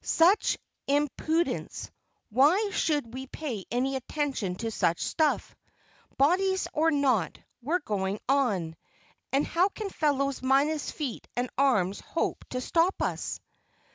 "Such impudence! Why should we pay any attention to such stuff? Bodies or not, we're going on, and how can fellows minus feet and arms hope to stop us?"